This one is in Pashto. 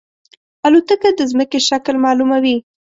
الوتکه د زمکې شکل معلوموي.